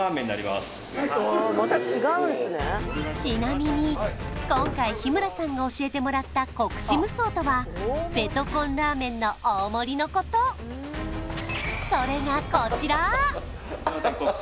ちなみに今回日村さんが教えてもらった国士無双とはベトコンラーメンの大盛りのことそれがあっはは・